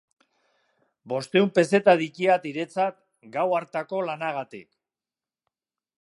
Bostehun pezeta ditiat hiretzat, gau hartako lanagatik.